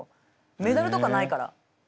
メダルとかないから。